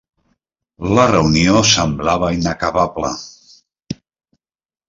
La reunió semblava inacabable.